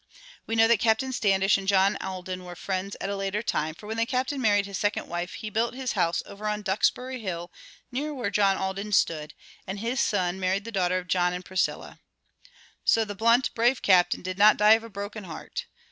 We know that Captain Standish and John Alden were friends at a later time, for when the Captain married his second wife he built his house over on Duxbury Hill, near where John Alden's stood, and his son married the daughter of John and Priscilla. So the blunt, brave Captain did not die of a broken heart.